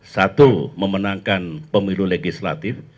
satu memenangkan pemilu legislatif